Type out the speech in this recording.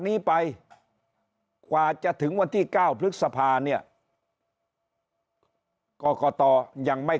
นี้ไปกว่าจะถึงวันที่เก้าพฤษภาเนี่ยกรกตยังไม่